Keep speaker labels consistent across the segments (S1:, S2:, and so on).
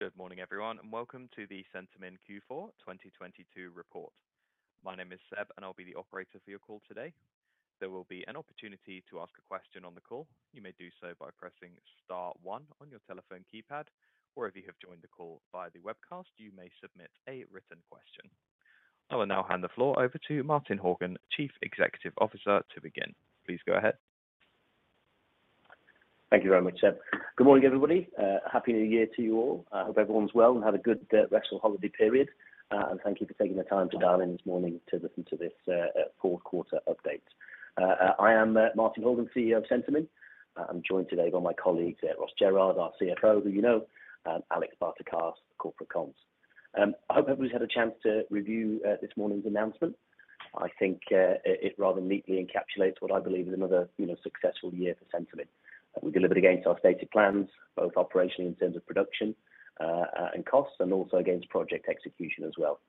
S1: Good morning, everyone, welcome to the Centamin Q4 2022 report. My name is Seb, I'll be the operator for your call today. There will be an opportunity to ask a question on the call. You may do so by pressing star one on your telephone keypad, or if you have joined the call via the webcast, you may submit a written question. I will now hand the floor over to Martin Horgan, Chief Executive Officer, to begin. Please go ahead.
S2: Thank you very much, Seb. Good morning, everybody. Happy New Year to you all. I hope everyone's well and had a good restful holiday period. Thank you for taking the time to dial in this morning to listen to this Q4 update. I am Martin Horgan, CEO of Centamin. I'm joined today by my colleagues, Ross Jerrard, our CFO, who you know, Alex Barakat-Brown, corporate comms. I hope everyone's had a chance to review this morning's announcement. I think it rather neatly encapsulates what I believe is another, you know, successful year for Centamin. We delivered against our stated plans, both operationally in terms of production and costs, and also against project execution as well.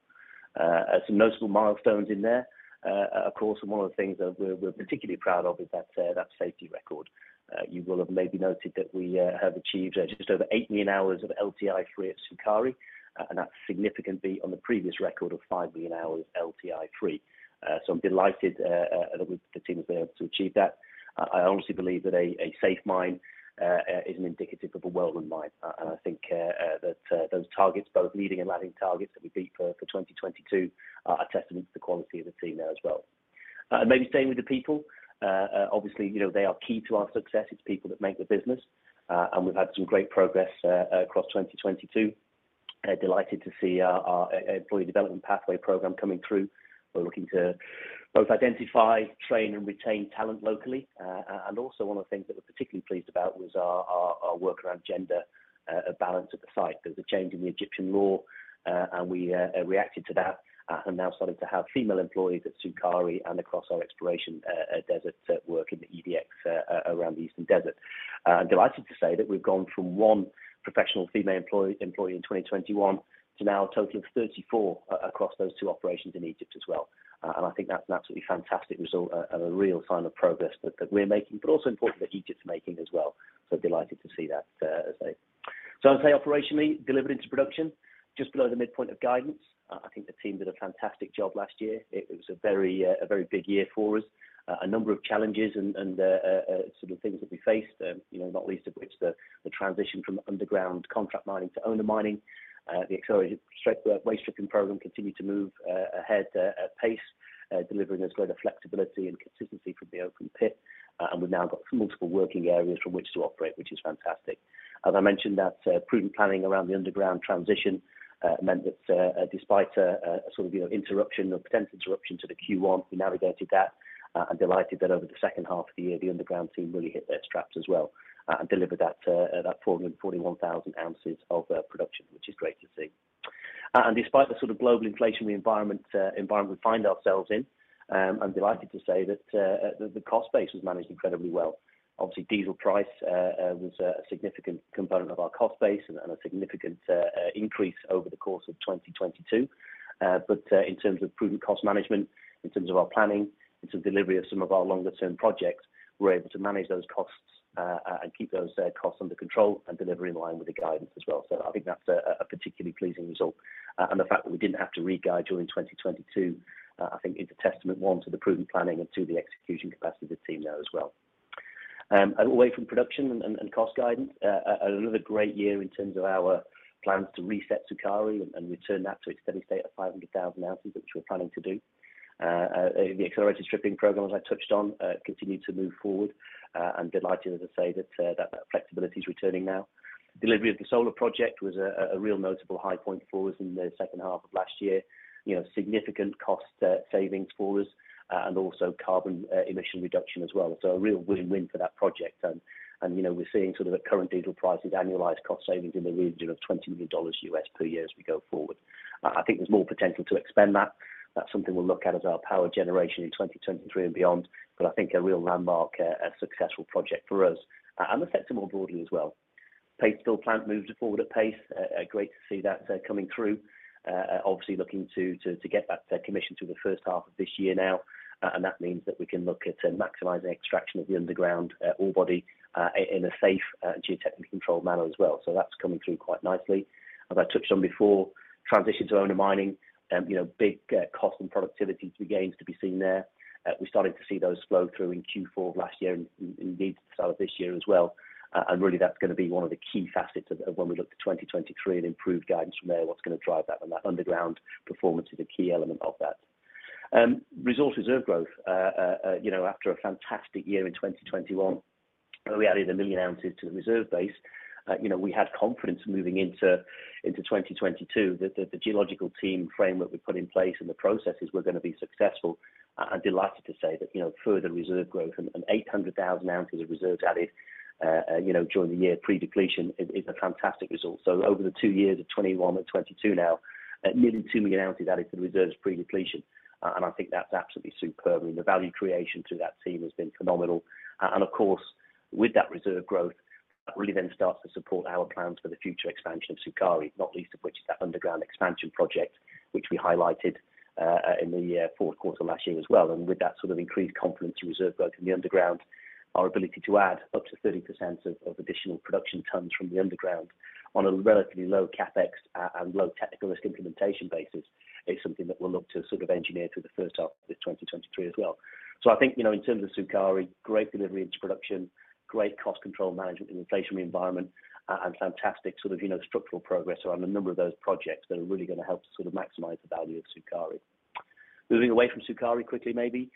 S2: Some noticeable milestones in there. Of course, one of the things that we're particularly proud of is that safety record. You will have maybe noted that we have achieved just over 8 million hours of LTI free at Sukari, that's significant beat on the previous record of 5 million hours LTI free. I'm delighted that the team has been able to achieve that. I honestly believe that a safe mine is an indicative of a well-run mine. I think that those targets, both leading and lagging targets that we beat for 2022 are testament to the quality of the team there as well. Maybe staying with the people, obviously, you know, they are key to our success. It's people that make the business, and we've had some great progress across 2022. Delighted to see our employee development pathway program coming through. We're looking to both identify, train, and retain talent locally. Also one of the things that we're particularly pleased about was our, our work around gender balance at the site. There was a change in the Egyptian law, and we reacted to that, and now starting to have female employees at Sukari and across our exploration desert work in the EDX around the Eastern Desert. I'm delighted to say that we've gone from 1 professional female employee in 2021 to now a total of 34 across those two operations in Egypt as well. I think that's an absolutely fantastic result, and a real sign of progress that we're making, but also important that Egypt's making as well. Delighted to see that. I would say operationally, delivered into production just below the midpoint of guidance. I think the team did a fantastic job last year. It was a very big year for us. A number of challenges and sort of things that we faced, you know, not least of which the transition from underground contract mining to owner mining. The accelerated waste stripping program continued to move ahead at pace, delivering us greater flexibility and consistency from the open pit, and we've now got multiple working areas from which to operate, which is fantastic. As I mentioned, that prudent planning around the underground transition meant that despite a sort of, you know, interruption or potential interruption to the Q1, we navigated that and delighted that over the second half of the year, the underground team really hit their straps as well and delivered that 441 thousand ounces of production, which is great to see. Despite the sort of global inflationary environment we find ourselves in, I'm delighted to say that the cost base was managed incredibly well. Obviously, diesel price was a significant component of our cost base and a significant increase over the course of 2022. In terms of prudent cost management, in terms of our planning, in terms of delivery of some of our longer-term projects, we're able to manage those costs and keep those costs under control and deliver in line with the guidance as well. I think that's a particularly pleasing result. And the fact that we didn't have to re-guide during 2022, I think is a testament, 1, to the prudent planning and, 2, the execution capacity of the team there as well. And away from production and cost guidance, another great year in terms of our plans to reset Sukari and return that to its steady state of 500,000 ounces, which we're planning to do. The accelerated stripping program, as I touched on, continued to move forward, and delighted as I say that flexibility is returning now. Delivery of the solar project was a real notable high point for us in the second half of last year. You know, significant cost savings for us, and also carbon emission reduction as well. A real win-win for that project. You know, we're seeing sort of at current diesel prices, annualized cost savings in the region of $20 million per year as we go forward. I think there's more potential to expand that. That's something we'll look at as our power generation in 2023 and beyond. I think a real landmark successful project for us and the sector more broadly as well. Paste filter plant moved forward at pace. Great to see that coming through. Obviously looking to get that commission through the first half of this year now. That means that we can look at maximizing extraction of the underground ore body in a safe, geotechnical controlled manner as well. So that's coming through quite nicely. As I touched on before, transition to owner mining, you know, big cost and productivity gains to be seen there. We're starting to see those flow through in Q4 of last year and indeed the start of this year as well. Really, that's gonna be one of the key facets of when we look to 2023 and improved guidance from there, what's gonna drive that. And that underground performance is a key element of that. Resource reserve growth. You know, after a fantastic year in 2021, where we added 1 million ounces to the reserve base, you know, we had confidence moving into 2022 that the geological team framework we put in place and the processes were gonna be successful. Delighted to say that, you know, further reserve growth and 800,000 ounces of reserves added, you know, during the year pre-depletion is a fantastic result. Over the 2 years of 21 and 22 now, nearly 2 million ounces added to the reserves pre-depletion. I think that's absolutely superb. I mean, the value creation through that team has been phenomenal. Of course, with that reserve growth, that really then starts to support our plans for the future expansion of Sukari, not least of which is that underground expansion project, which we highlighted in the fourth quarter last year as well. With that sort of increased confidence reserve growth in the underground, our ability to add up to 30% of additional production tons from the underground on a relatively low CapEx and low technical risk implementation basis is something that we'll look to sort of engineer through the first half of 2023 as well. I think, you know, in terms of Sukari, great delivery into production, great cost control management in an inflationary environment, and fantastic sort of, you know, structural progress around a number of those projects that are really gonna help to sort of maximize the value of Sukari. Moving away from Sukari quickly maybe,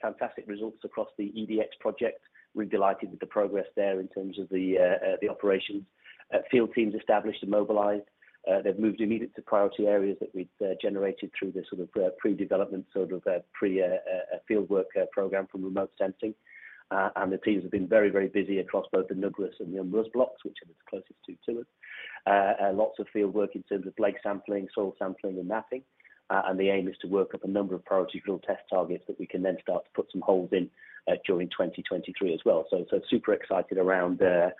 S2: fantastic results across the EDX project. Really delighted with the progress there in terms of the operations. Field teams established and mobilized. They've moved immediate to priority areas that we'd generated through the sort of pre-development, sort of pre field work program from remote sensing. The teams have been very, very busy across both the Nugrus and the Um Rus blocks, which are the closest two to us. Lots of field work in terms of lake sampling, soil sampling, and mapping. The aim is to work up a number of priority drill test targets that we can then start to put some holes in during 2023 as well. Super excited around the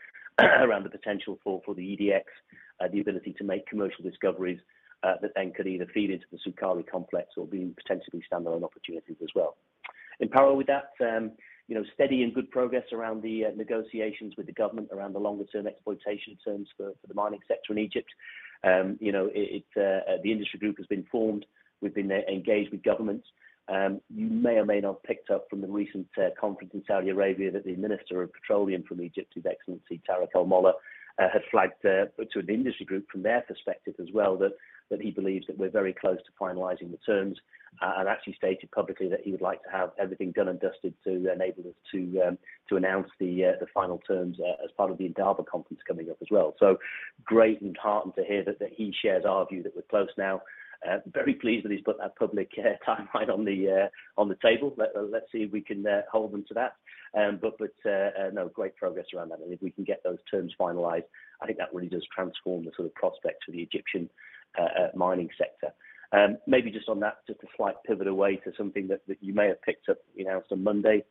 S2: potential for the EDX, the ability to make commercial discoveries that then could either feed into the Sukari complex or be potentially standalone opportunities as well. In parallel with that, you know, steady and good progress around the negotiations with the government around the longer term exploitation terms for the mining sector in Egypt. You know, it, the industry group has been formed. We've been engaged with governments. You may or may not have picked up from the recent conference in Saudi Arabia that the Minister of Petroleum from Egypt, His Excellency, Tarek El-Molla, had flagged to an industry group from their perspective as well that he believes that we're very close to finalizing the terms, and actually stated publicly that he would like to have everything done and dusted to enable us to announce the final terms as part of the ADIPEC conference coming up as well. Great and heartened to hear that he shares our view that we're close now. Very pleased that he's put that public timeline on the table. Let's see if we can hold him to that. No, great progress around that. If we can get those terms finalized, I think that really does transform the sort of prospect for the Egyptian mining sector. Maybe just on that, just a slight pivot away to something that you may have picked up we announced on Monday,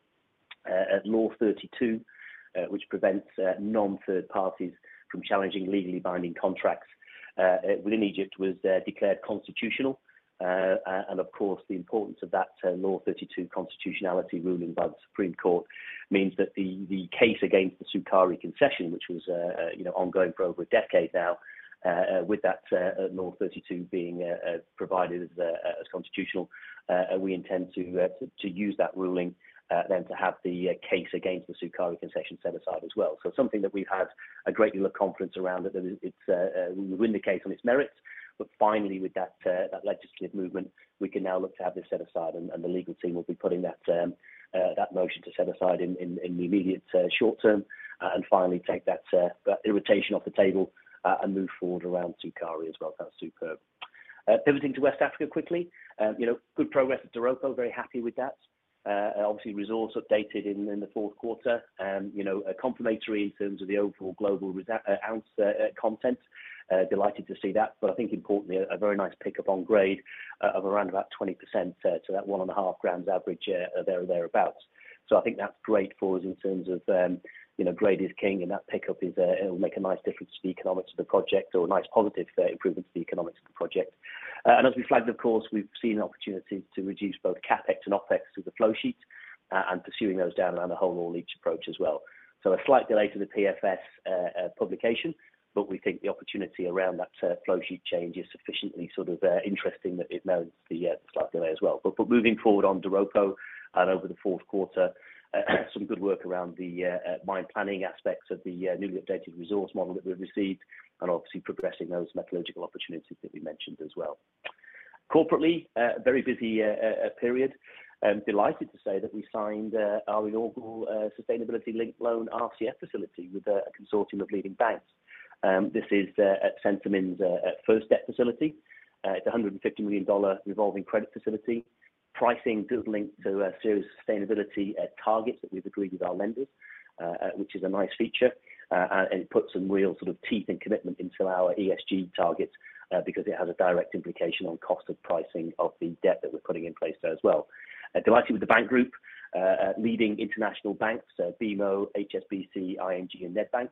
S2: Law 32, which prevents non-third parties from challenging legally binding contracts within Egypt was declared constitutional. And of course, the importance of that Law 32 constitutionality ruling by the Supreme Court means that the case against the Sukari concession, which was, you know, ongoing for over a decade now, with that Law 32 being provided as constitutional, we intend to use that ruling then to have the case against the Sukari concession set aside as well. Something that we've had a great deal of confidence around that it's, we'll win the case on its merits. Finally, with that legislative movement, we can now look to have this set aside and the legal team will be putting that motion to set aside in the immediate short term and finally take that irritation off the table and move forward around Sukari as well. That's superb. Pivoting to West Africa quickly, you know, good progress at Doropo. Very happy with that. Obviously resource updated in the Q4. You know, complementary in terms of the overall global ounce content. Delighted to see that. I think importantly, a very nice pickup on grade of around about 20% to that 1.5 grams average there or thereabouts. I think that's great for us in terms of, you know, grade is king, and that pickup is, it'll make a nice difference to the economics of the project or a nice positive improvement to the economics of the project. As we flagged, of course, we've seen opportunities to reduce both CapEx and OpEx through the flow sheets and pursuing those down around a whole-ore-leach approach as well. A slight delay to the PFS publication, but we think the opportunity around that flow sheet change is sufficiently sort of interesting that it merits the slight delay as well. Moving forward on Doropo and over the fourth quarter, some good work around the mine planning aspects of the newly updated resource model that we've received and obviously progressing those metallurgical opportunities that we mentioned as well. Corporately, a very busy period. Delighted to say that we signed our inaugural sustainability-linked loan RCF facility with a consortium of leading banks. This is Centamin's first debt facility. It's a $150 million revolving credit facility. Pricing does link to serious sustainability targets that we've agreed with our lenders, which is a nice feature. It puts some real sort of teeth and commitment into our ESG targets because it has a direct implication on cost of pricing of the debt that we're putting in place there as well. Delighted with the bank group, leading international banks, BMO, HSBC, ING, and Nedbank.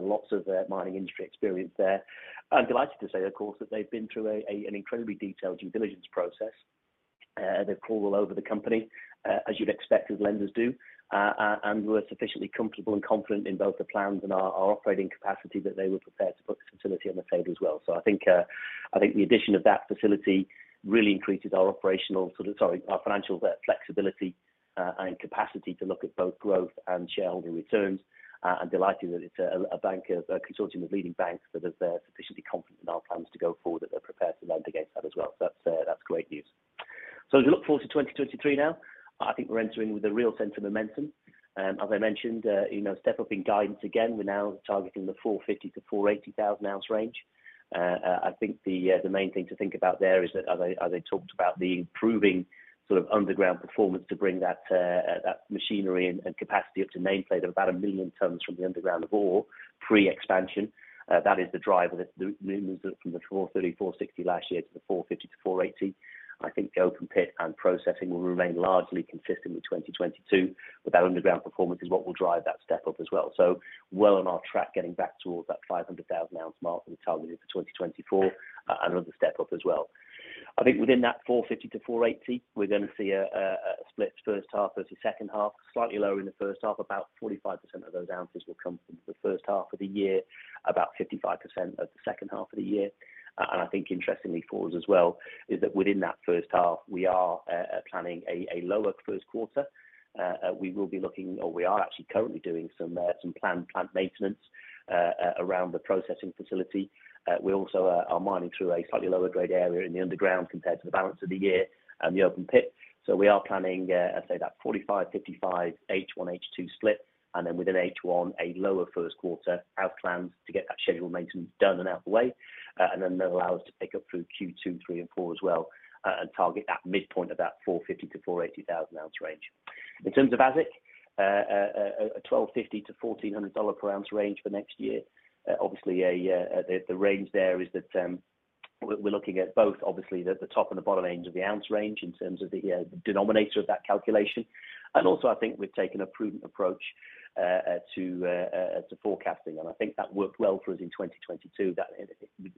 S2: Lots of mining industry experience there. I'm delighted to say, of course, that they've been through an incredibly detailed due diligence process. They've crawled all over the company, as you'd expect, as lenders do and were sufficiently comfortable and confident in both the plans and our operating capacity that they were prepared to put the facility on the table as well. I think the addition of that facility really increases our operational, sort of, sorry, our financial flexibility and capacity to look at both growth and shareholder returns. Delighted that it's a bank, a consortium of leading banks that are sufficiently confident in our plans to go forward, that they're prepared to lend against that as well. That's great news. As we look forward to 2023 now, I think we're entering with a real sense of momentum. As I mentioned, you know, step up in guidance again. We're now targeting the 450-480 thousand ounce range. I think the main thing to think about there is that, as I, as I talked about, the improving sort of underground performance to bring that machinery and capacity up to nameplate of about 1 million tons from the underground of ore pre-expansion. That is the driver that's moving us from the 430, 460 last year to the 450-480. I think the open pit and processing will remain largely consistent with 2022, but that underground performance is what will drive that step up as well. Well on our track, getting back towards that 500,000 ounce mark that we targeted for 2024, and another step up as well. I think within that 450-480, we're gonna see a split first half versus second half, slightly lower in the first half. About 45% of those ounces will come from the first half of the year, about 55% of the second half of the year. I think interestingly for us as well is that within that first half we are planning a lower first quarter. We will be looking or we are actually currently doing some planned plant maintenance around the processing facility. We also are mining through a slightly lower grade area in the underground compared to the balance of the year and the open pit. We are planning, I'd say that 45-55 H1 H2 split and then within H1 a lower 1st quarter out planned to get that scheduled maintenance done and out the way. That allow us to pick up through Q2, Q3 and Q4 as well, and target that midpoint of that 450,000-480,000 ounce range. In terms of AISC, a $1,250-$1,400 per ounce range for next year. Obviously, the range there is that we're looking at both obviously the top and the bottom range of the ounce range in terms of the denominator of that calculation. Also I think we've taken a prudent approach to forecasting, and I think that worked well for us in 2022, that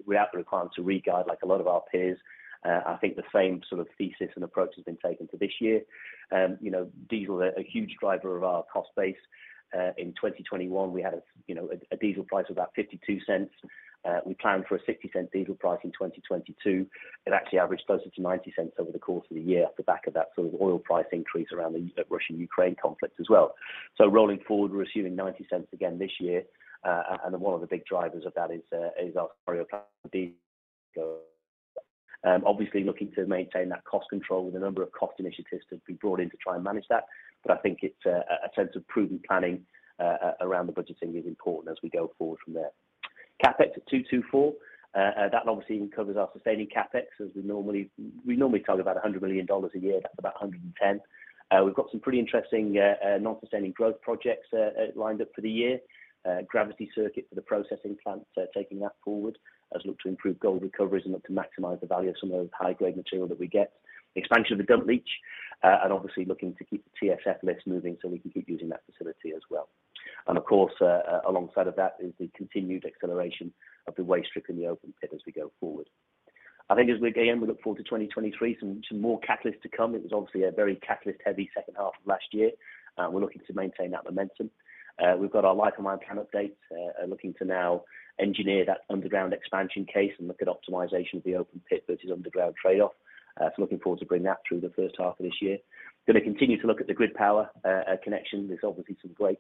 S2: without the requirement to regard like a lot of our peers, I think the same sort of thesis and approach has been taken to this year. You know, diesel a huge driver of our cost base. In 2021, we had a, you know, a diesel price of about $0.52. We planned for a $0.60 diesel price in 2022. It actually averaged closer to $0.90 over the course of the year at the back of that sort of oil price increase around the Russian Ukraine conflict as well. Rolling forward, we're assuming $0.90 again this year. And one of the big drivers of that is our scenario planning. Obviously looking to maintain that cost control with a number of cost initiatives to be brought in to try and manage that. I think it's a sense of prudent planning around the budgeting is important as we go forward from there. CapEx at $224 million, that obviously covers our sustaining CapEx as we normally talk about $100 million a year. That's about $110 million. We've got some pretty interesting non-sustaining growth projects lined up for the year. Gravity circuit for the processing plant, taking that forward as look to improve gold recoveries and look to maximize the value of some of the high grade material that we get. Expansion of the dump leach, and obviously looking to keep the TSF list moving so we can keep using that facility as well. Of course, alongside of that is the continued acceleration of the waste strip in the open pit as we go forward. I think as we again, we look forward to 2023, some more catalysts to come. It was obviously a very catalyst heavy second half of last year. We're looking to maintain that momentum. We've got our life of mine plan updates, looking to now engineer that underground expansion case and look at optimization of the open pit versus underground trade-off. Looking forward to bring that through the first half of this year. Gonna continue to look at the grid power connection. There's obviously some great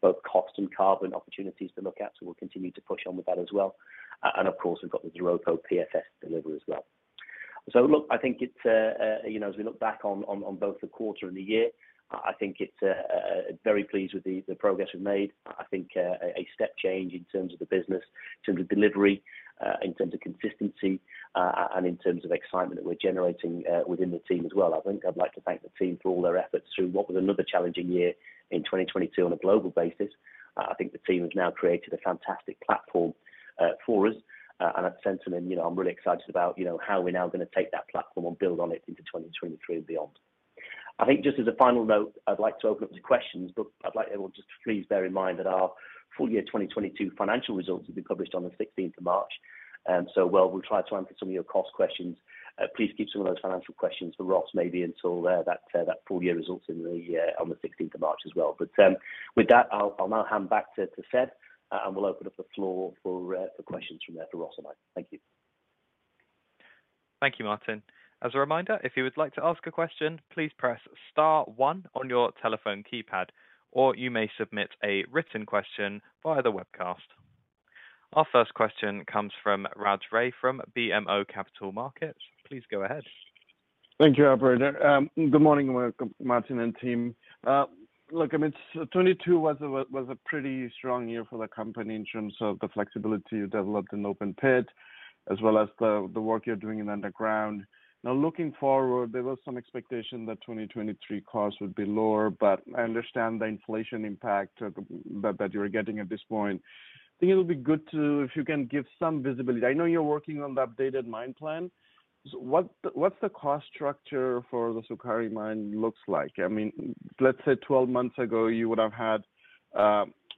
S2: both cost and carbon opportunities to look at, so we'll continue to push on with that as well. Of course, we've got the Doropo PFS delivery as well. Look, I think it's, you know, as we look back on both the quarter and the year, I think it's very pleased with the progress we've made. I think a step change in terms of the business, in terms of delivery, in terms of consistency, and in terms of excitement that we're generating within the team as well. I think I'd like to thank the team for all their efforts through what was another challenging year in 2022 on a global basis. I think the team has now created a fantastic platform for us. At Centamin, you know, I'm really excited about, you know, how we're now gonna take that platform and build on it into 2023 and beyond. I think just as a final note, I'd like to open up to questions, but I'd like everyone just to please bear in mind that our full year 2022 financial results will be published on the 16th of March. While we'll try to answer some of your cost questions, please keep some of those financial questions for Ross maybe until that full year results in the on the 16th of March as well. With that, I'll now hand back to Seb, and we'll open up the floor for questions from there for Ross and I. Thank you.
S1: Thank you, Martin. As a reminder, if you would like to ask a question, please press star one on your telephone keypad, or you may submit a written question via the webcast. Our first question comes from Raj Ray from BMO Capital Markets. Please go ahead.
S3: Thank you, Operator. Good morning Martin and team. Look, I mean, 2022 was a pretty strong year for the company in terms of the flexibility you developed in open pit as well as the work you're doing in underground. Looking forward, there was some expectation that 2023 costs would be lower. I understand the inflation impact that you're getting at this point. I think it would be good if you can give some visibility. I know you're working on the updated mine plan. What's the cost structure for the Sukari mine looks like? I mean, let's say 12 months ago you would have had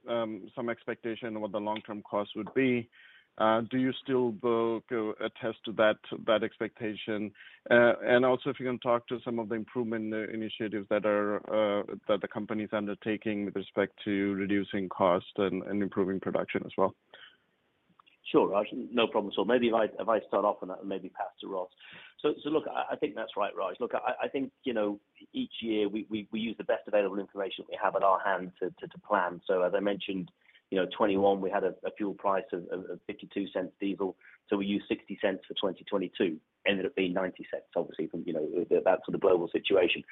S3: some expectation what the long term costs would be. Do you still attest to that expectation? Also if you can talk to some of the improvement initiatives that are that the company is undertaking with respect to reducing cost and improving production as well.
S2: Sure, Raj. No problem. Maybe I, if I start off and maybe pass to Ross. Look, I think that's right, Raj. Look, I think, you know, each year we use the best available information we have at our hand to plan. As I mentioned, you know, 2021 we had a fuel price of $0.52 diesel, so we used $0.60 for 2022. Ended up being $0.90 obviously from, you know, that sort of global situation.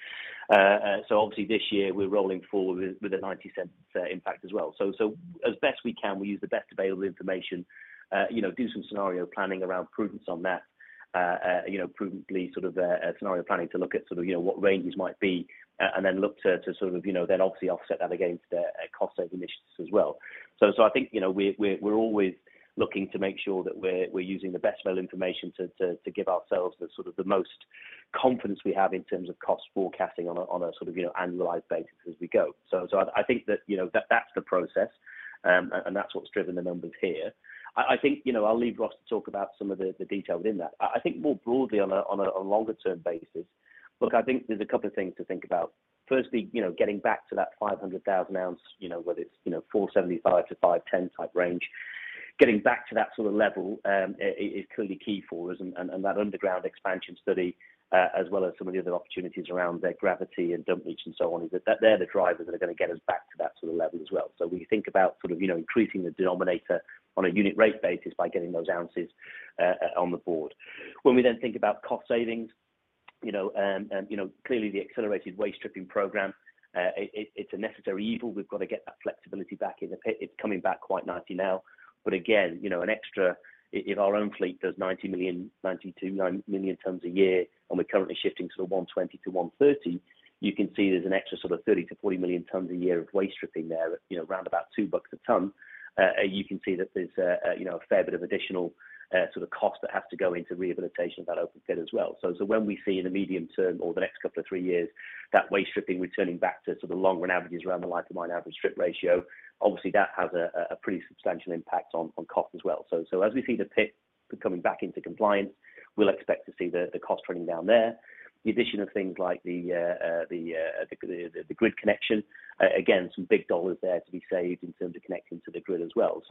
S2: Obviously this year we're rolling forward with a $0.90 impact as well. As best we can, we use the best available information, you know, do some scenario planning around prudence on that, you know, prudently sort of scenario planning to look at sort of, you know, what ranges might be, and then look to sort of, you know, then obviously offset that against cost-saving initiatives as well. I think, you know, we're always looking to make sure that we're using the best available information to give ourselves the sort of the most confidence we have in terms of cost forecasting on a sort of, you know, annualized basis as we go. I think that, you know, that's the process, and that's what's driven the numbers here. I think, you know, I'll leave Ross to talk about some of the detail within that. I think more broadly on a longer-term basis, look, I think there's a couple of things to think about. Firstly, you know, getting back to that 500,000 ounce, you know, whether it's, you know, 475-510 type range, getting back to that sort of level is clearly key for us. That underground expansion study, as well as some of the other opportunities around their gravity and dump leach and so on, is that they're the drivers that are gonna get us back to that sort of level as well. We think about sort of, you know, increasing the denominator on a unit rate basis by getting those ounces on the board. We then think about cost savings, you know, you know, clearly the accelerated waste stripping program, it's a necessary evil. We've got to get that flexibility back in the pit. It's coming back quite nicely now. Again, you know, an extra, if our own fleet does 90 million, 92.9 million tons a year, and we're currently shifting sort of 120-130, you can see there's an extra sort of 30-40 million tons a year of waste stripping there at, you know, around about $2 a ton. You can see that there's, you know, a fair bit of additional sort of cost that has to go into rehabilitation of that open pit as well. When we see in the medium term or the next couple of 3 years, that waste stripping returning back to sort of long-run averages around the life of mine average strip ratio, obviously that has a pretty substantial impact on cost as well. As we see the pit coming back into compliance, we'll expect to see the cost trending down there. The addition of things like the grid connection, again, some big dollars there to be saved in terms of connecting to the grid as well.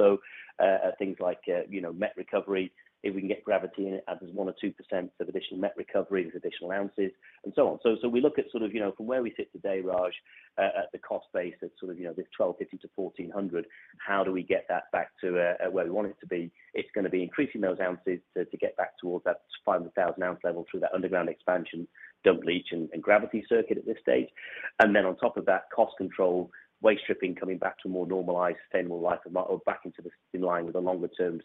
S2: Things like, you know, metallurgical recovery, if we can get gravity in it as 1 or 2% of additional metallurgical recovery, there's additional ounces and so on. We look at, you know, from where we sit today, Raj, at the cost base at, you know, this $1,250-$1,400, how do we get that back to where we want it to be? It's going to be increasing those ounces to get back towards that 500,000 ounce level through that underground expansion, dump leach and gravity circuit at this stage. On top of that, cost control, waste stripping coming back to a more normalized, sustainable life of mine or back into this in line with the longer term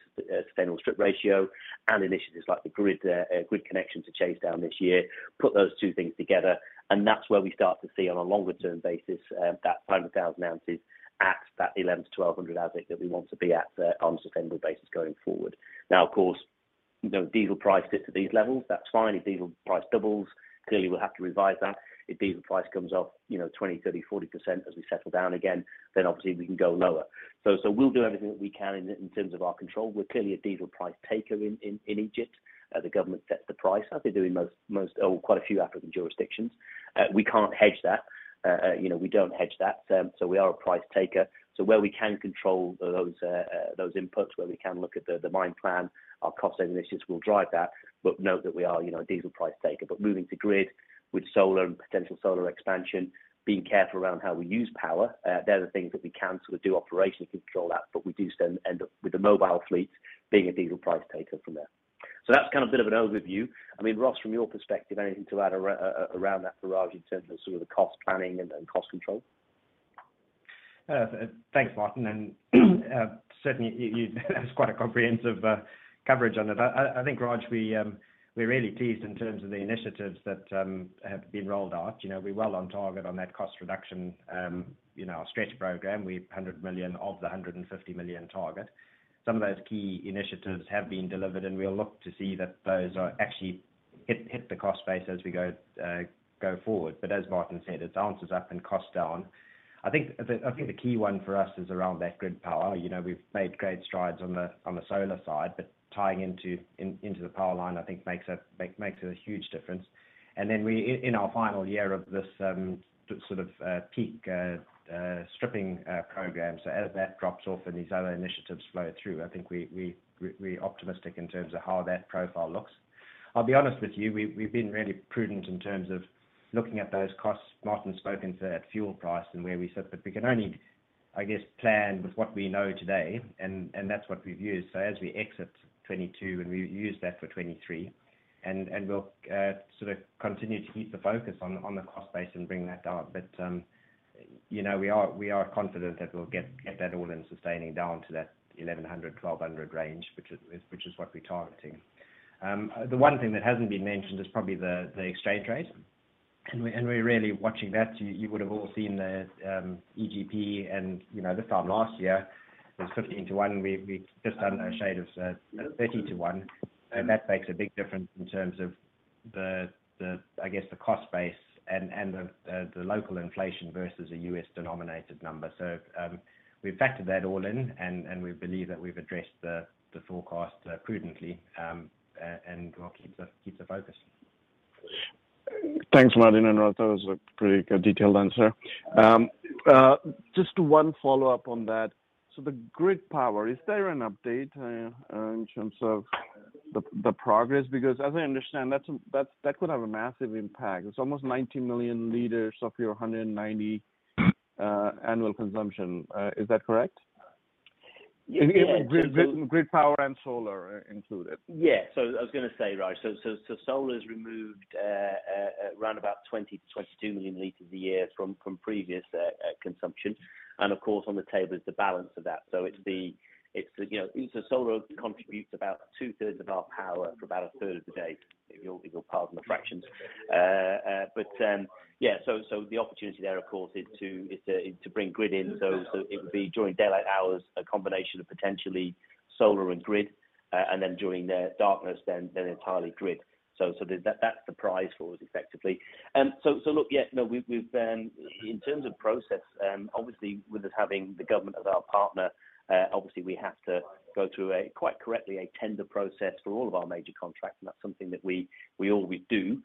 S2: sustainable strip ratio and initiatives like the grid grid connection to chase down this year, put those two things together, and that's where we start to see on a longer term basis, that 500,000 ounces at that $1,100-$1,200 as it that we want to be at on a sustainable basis going forward. Of course, you know, diesel price sits at these levels. That's fine. If diesel price doubles, clearly we'll have to revise that. If diesel price comes off, you know, 20%, 30%, 40% as we settle down again, then obviously we can go lower. We'll do everything that we can in terms of our control. We're clearly a diesel price taker in Egypt. The government sets the price as they do in most or quite a few African jurisdictions. We can't hedge that. you know, we don't hedge that. We are a price taker. Where we can control those inputs, where we can look at the mine plan, our cost saving initiatives will drive that. Note that we are, you know, a diesel price taker. Moving to grid with solar and potential solar expansion, being careful around how we use power, they're the things that we can sort of do operationally to control that. We do end up with the mobile fleet being a diesel price taker from there. That's kind of a bit of an overview. I mean, Ross, from your perspective, anything to add around that for Raj in terms of sort of the cost planning and cost control?
S4: Thanks, Martin. Certainly you that's quite a comprehensive coverage on it. I think, Raj, we're really pleased in terms of the initiatives that have been rolled out. You know, we're well on target on that cost reduction, you know, our stretch program. We've $100 million of the $150 million target. Some of those key initiatives have been delivered, and we'll look to see that those are actually hit the cost base as we go forward. As Martin said, it's ounces up and cost down. I think the key one for us is around that grid power. You know, we've made great strides on the solar side, but tying into the power line, I think makes a huge difference. We, in our final year of this sort of peak stripping program. As that drops off and these other initiatives flow through, I think we're optimistic in terms of how that profile looks. I'll be honest with you, we've been really prudent in terms of looking at those costs. Martin spoken to that fuel price and where we sit, but we can only, I guess, plan with what we know today, and that's what we've used. As we exit 22 and we use that for 23 and we'll sort of continue to keep the focus on the cost base and bring that down. You know, we are confident that we'll get that all in sustaining down to that $1,100-$1,200 range, which is what we're targeting. The one thing that hasn't been mentioned is probably the exchange rate. We're really watching that. You would have all seen the EGP and, you know, this time last year was 50 into 1. We've just done a shade of 30 to 1. That makes a big difference in terms of the, I guess, the cost base and the local inflation versus a U.S. denominated number. We've factored that all in and we believe that we've addressed the forecast prudently, and we'll keep the focus.
S3: Thanks, Martin and Ross. That was a pretty detailed answer. Just one follow-up on that. The grid power, is there an update, in terms of the progress? Because as I understand, that could have a massive impact. It's almost 90 million liters of your 190, annual consumption. Is that correct?
S4: Yeah.
S2: Gridpower and solar included.
S4: Yeah. I was gonna say, Raj, so solar's removed, around about 20-22 million liters a year from previous consumption. Of course, on the table is the balance of that. It's the, you know, so solar contributes about two-thirds of our power for about a third of the day. If you'll pardon the fractions. Yeah, so the opportunity there, of course, is to bring grid in. It would be during daylight hours, a combination of potentially solar and grid.
S2: During the darkness then, entirely grid. That, that's the prize for us effectively. Look, yeah, no, we've then in terms of process, obviously with us having the government as our partner, obviously we have to go through a, quite correctly, a tender process for all of our major contracts, and that's something that we always do.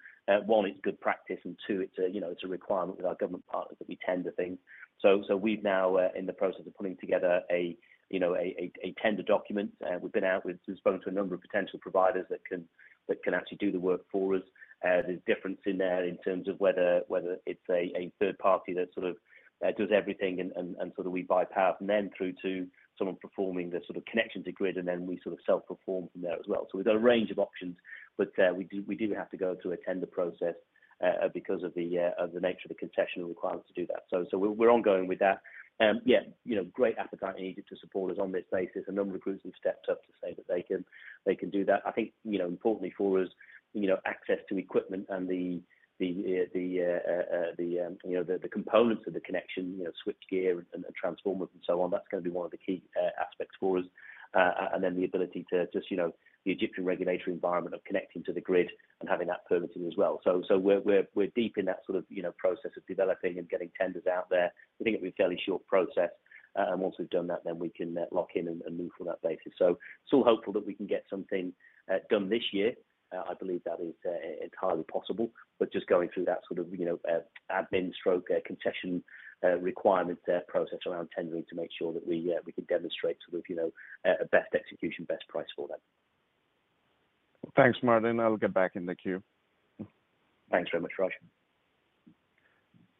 S2: One, it's good practice, and two, it's a, you know, it's a requirement with our government partners that we tender things. We're now in the process of putting together a, you know, a tender document. We've been out, we've spoken to a number of potential providers that can actually do the work for us. There's difference in there in terms of whether it's a third party that sort of does everything and sort of we bypass them through to someone performing the sort of connection to grid and then we sort of self-perform from there as well. We've got a range of options, but we do have to go through a tender process because of the nature of the concession and requirements to do that. We're ongoing with that. Yeah, you know, great appetite needed to support us on this basis. A number of groups have stepped up to say that they can do that. I think, you know, importantly for us, you know, access to equipment and the components of the connection, you know, switch gear and transformers and so on, that's gonna be one of the key aspects for us. And then the ability to just, you know, the Egyptian regulatory environment of connecting to the grid and having that permitted as well. We're deep in that sort of, you know, process of developing and getting tenders out there. We think it'll be a fairly short process, and once we've done that, then we can lock in and move from that basis. Still hopeful that we can get something done this year. I believe that is entirely possible. Just going through that sort of, you know, admin stroke concession requirement process around tendering to make sure that we can demonstrate sort of, you know, a best execution, best price for them.
S5: Thanks, Martin. I'll get back in the queue.
S2: Thanks very much, Raj.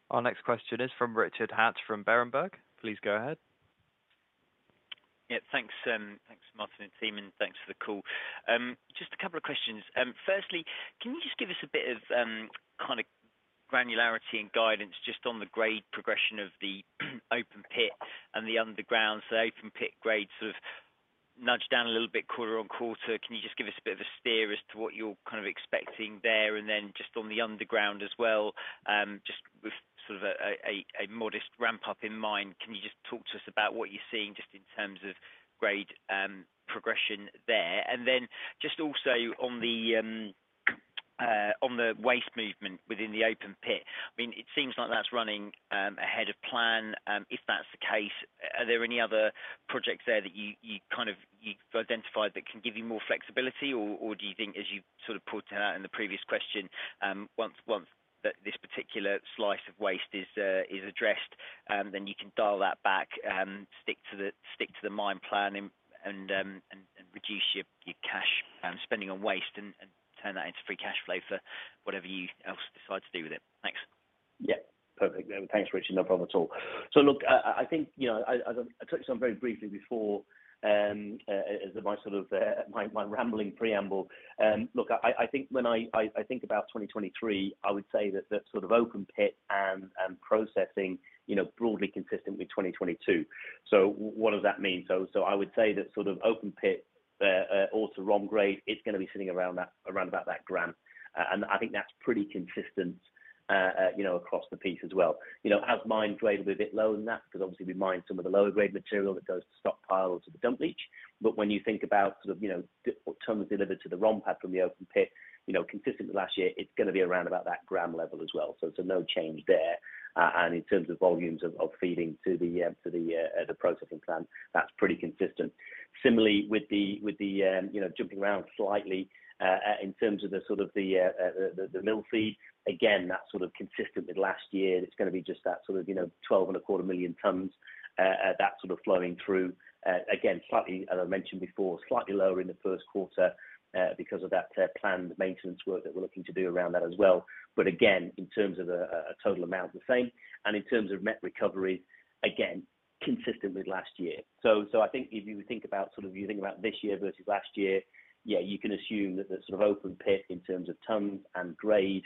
S1: Our next question is from Richard Hatch from Berenberg. Please go ahead.
S6: Yeah, thanks. Thanks, Martin and team, and thanks for the call. Just a couple of questions. Firstly, can you just give us a bit of kind of granularity and guidance just on the grade progression of the open pit and the underground? The open pit grade sort of nudged down a little bit quarter-on-quarter. Can you just give us a bit of a steer as to what you're kind of expecting there? Then just on the underground as well, just with sort of a modest ramp up in mind, can you just talk to us about what you're seeing just in terms of grade progression there? Then just also on the on the waste movement within the open pit, I mean, it seems like that's running ahead of plan. If that's the case, are there any other projects there that you kind of, you've identified that can give you more flexibility? Do you think as you sort of pointed out in the previous question, once this particular slice of waste is addressed, then you can dial that back, stick to the mine plan and reduce your cash, spending on waste and turn that into free cash flow for whatever you else decide to do with it. Thanks.
S2: Yeah. Perfect. Thanks, Richard. No problem at all. Look, I think, you know, as I touched on very briefly before, as my sort of my rambling preamble. Look, I think when I think about 2023, I would say that the sort of open pit and processing, you know, broadly consistent with 2022. What does that mean? I would say that sort of open pit ore to ROM grade, it's gonna be sitting around that, around about that gram. I think that's pretty consistent, you know, across the piece as well. You know, as mined grade will be a bit lower than that 'cause obviously we mined some of the lower grade material that goes to stockpile to the dump leach. When you think about sort of, you know, what ton was delivered to the ROM pad from the open pit, you know, consistent with last year, it's gonna be around about that gram level as well. It's a no change there. In terms of volumes of feeding to the processing plant, that's pretty consistent. Similarly, with the, with the, you know, jumping around slightly, in terms of the sort of the mill feed, again, that's sort of consistent with last year. It's gonna be just that sort of, you know, 12 and a quarter million tons that sort of flowing through. Again, slightly, as I mentioned before, slightly lower in the first quarter, because of that, planned maintenance work that we're looking to do around that as well. Again, in terms of the, a total amount, the same. In terms of metallurgical recovery, again, consistent with last year. I think if you would think about, sort of you think about this year versus last year, yeah, you can assume that the sort of open pit in terms of tons and grade,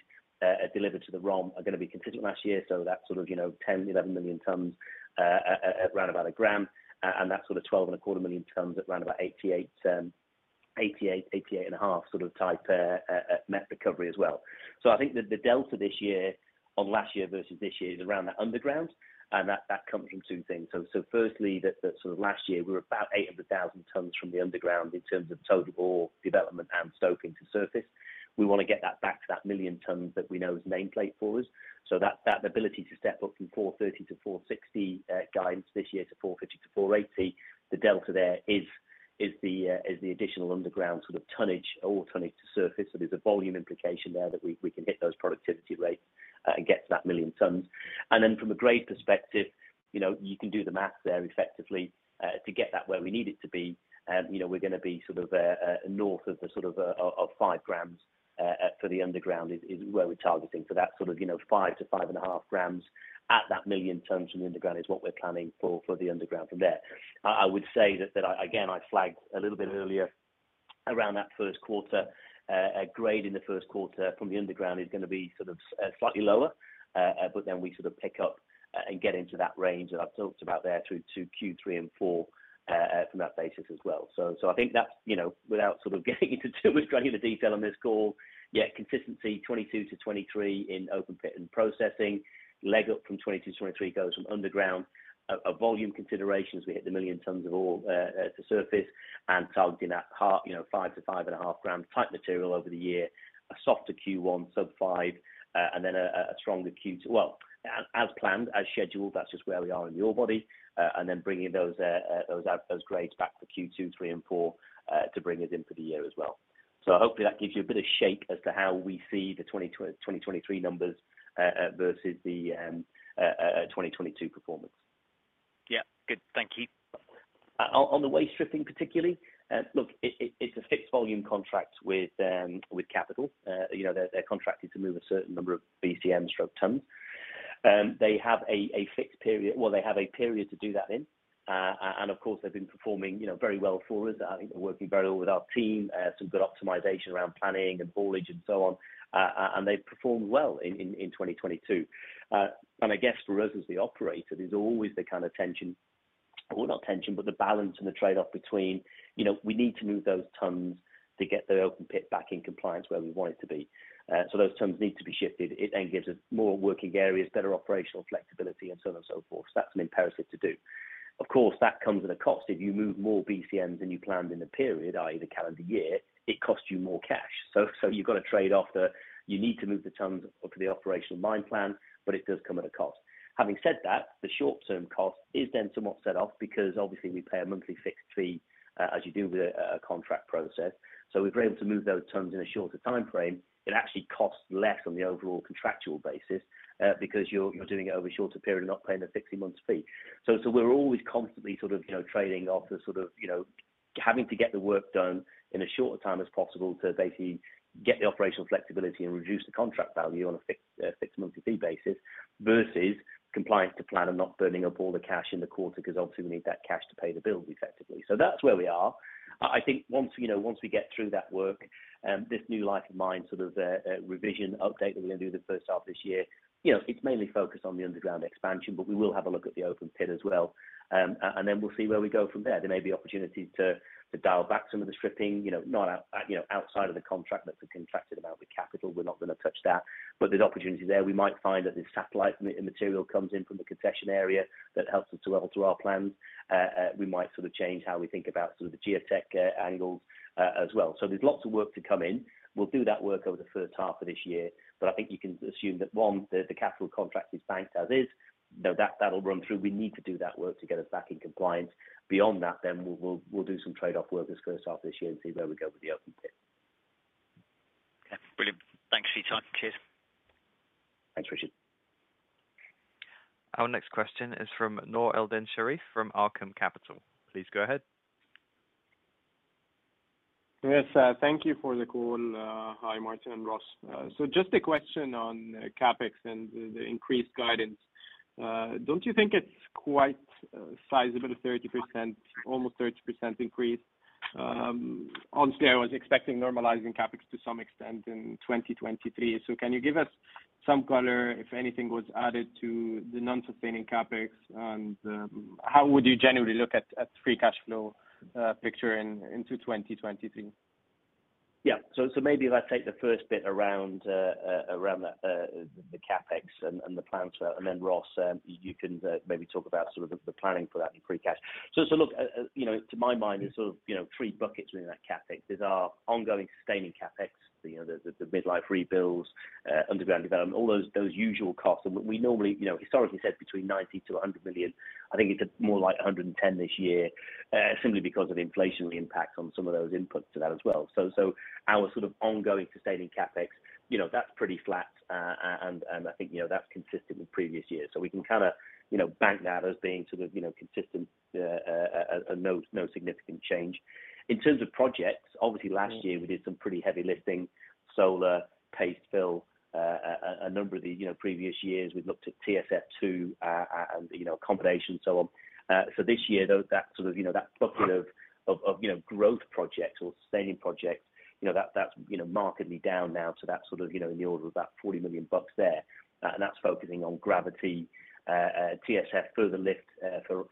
S2: delivered to the ROM are gonna be consistent with last year. That's sort of, you know, 10, 11 million tons, at around about a gram. And that's sort of 12 and a quarter million tons at around about 88, 88 and a half sort of type, metallurgical recovery as well. I think that the delta this year on last year versus this year is around the underground, and that comes from two things. Firstly, that sort of last year we're about 8,000 tons from the underground in terms of total ore development and stocking to surface. We want to get that back to that million tons that we know is main plate for us. That ability to step up from 430-460 guidance this year to 450-480, the delta there is the additional underground sort of tonnage or tonnage to surface. There's a volume implication there that we can hit those productivity rates and get to that million tons. Grade perspective, you know, you can do the math there effectively to get that where we need it to be. You know, we're going to be sort of north of the sort of of 5 grams for the underground is where we're targeting. So that sort of, you know, 5 to 5.5 grams at that million tons from the underground is what we're planning for for the underground from there. I would say that I again, I flagged a little bit earlier around that first quarter, a grade in the first quarter from the underground is going to be sort of slightly lower. But then we sort of pick up and get into that range that I've talked about there through to Q3 and 4 from that basis as well. I think that's, you know, without sort of getting into too much granular detail on this call, yet consistency 2022-2023 in open pit and processing. Leg up from 2022-2023 goes from underground volume considerations, we hit the 1 million tons of ore to surface and targeting at half, you know, 5-5.5 gram type material over the year. A softer Q1 sub 5, and then a stronger Q, well, as planned, as scheduled, that's just where we are in the ore body. Bringing those grades back for Q2, 3, and 4 to bring us in for the year as well. Hopefully that gives you a bit of shape as to how we see the 2023 numbers versus the 2022 performance.
S7: Yeah. Good. Thank you.
S2: On the waste stripping particularly, look, it's a fixed volume contract with Capital Limited. You know, they're contracted to move a certain number of BCMs/tons. They have a period to do that in. Of course, they've been performing, you know, very well for us. I think they're working very well with our team. Some good optimization around planning and haulage and so on. They've performed well in 2022. I guess for us as the operator, there's always the kind of tension, or not tension, but the balance and the trade-off between, you know, we need to move those tons to get the open pit back in compliance where we want it to be. Those tons need to be shifted. It then gives us more working areas, better operational flexibility and so on and so forth. That's an imperative to do. Of course, that comes at a cost. If you move more BCMs than you planned in the period, i.e. the calendar year, it costs you more cash. You've got to trade off the, you need to move the tons for the operational mine plan, but it does come at a cost. Having said that, the short term cost is then somewhat set off because obviously we pay a monthly fixed fee, as you do with a contract process. If we're able to move those tons in a shorter time frame, it actually costs less on the overall contractual basis, because you're doing it over a shorter period and not paying the 60-months fee. We're always constantly sort of, you know, trading off the sort of, you know, having to get the work done in a shorter time as possible to basically get the operational flexibility and reduce the contract value on a fixed monthly fee basis versus compliance to plan and not burning up all the cash in the quarter because obviously we need that cash to pay the bills effectively. That's where we are. I think once, you know, once we get through that work, this new life of mine, sort of, revision update that we're gonna do the first half of this year. It's mainly focused on the underground expansion, but we will have a look at the open pit as well, we'll see where we go from there. There may be opportunities to dial back some of the stripping, you know, not out, you know, outside of the contract that we contracted about with Capital. We're not gonna touch that. There's opportunity there. We might find that this satellite material comes in from the concession area that helps us to level to our plans. We might sort of change how we think about some of the geotech angles as well. There's lots of work to come in. We'll do that work over the first half of this year. I think you can assume that one, the Capital contract is banked as is. You know, that'll run through. We need to do that work to get us back in compliance. Beyond that, we'll do some trade-off work this first half of this year and see where we go with the open pit.
S8: Okay. Brilliant. Thanks for your time. Cheers.
S2: Thanks, Richard.
S1: Our next question is from Nour Eldin Sherif from Arqaam Capital. Please go ahead.
S9: Yes, thank you for the call. Hi, Martin and Ross. Just a question on CapEx and the increased guidance. Don't you think it's quite sizable, 30%, almost 30% increase? Honestly, I was expecting normalizing CapEx to some extent in 2023. Can you give us some color if anything was added to the non-sustaining CapEx? How would you generally look at free cash flow, picture into 2023? Yeah. Maybe if I take the first bit around that, the CapEx and the plans for that, and then Ross, you can maybe talk about sort of the planning for that in free cash. Look, you know, to my mind, there's sort of, you know, three buckets within that CapEx.
S2: There's our ongoing sustaining CapEx, you know, the midlife rebuilds, underground development, all those usual costs. We normally, you know, historically said between $90 million-$100 million. I think it's more like $110 million this year, simply because of the inflationary impact on some of those inputs to that as well. Our sort of ongoing sustaining CapEx, you know, that's pretty flat. I think, you know, that's consistent with previous years. We can kinda, you know, bank that as being sort of, you know, consistent, no significant change. In terms of projects, obviously last year we did some pretty heavy lifting, solar, paste backfill, a nuSber of the, you know, previous years we've looked at TSF 2, and, you know, accommodation and so on. so this year, that sort of, you know, that bucket of, you know, growth projects or sustaining projects, you know, that's, you know, markedly down now to that sort of, you know, in the order of about $40 million there. That's focusing on gravity, TSF further lift, for